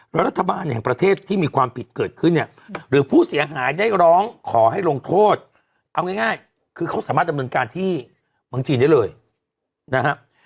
แล้วรัฐบาลแห่งประเทศที่มีความผิดเกิดขึ้นเนี่ยหรือผู้เสียหายได้ร้องขอให้ลงโทษเอาง่ายคือเขาสามารถดำเนินการที่เมืองจีนได้เลยนะฮะ